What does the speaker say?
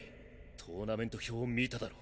トーナメント表を見ただろ。